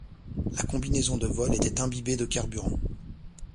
La combinaison de vol était imbibée de carburant.